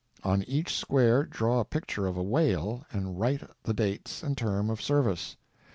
On each square draw a picture of a whale and write the dates and term of service.